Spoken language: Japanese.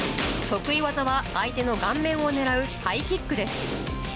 得意技は、相手の顔面を狙うハイキックです。